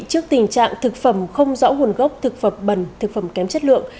trước tình trạng thực phẩm không rõ nguồn gốc thực phẩm bẩn thực phẩm kém chất lượng